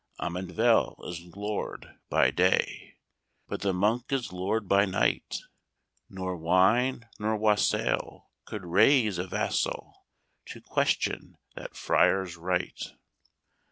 Amundeville is lord by day, But the monk is lord by night, Nor wine nor wassail could raise a vassal To question that friar's right.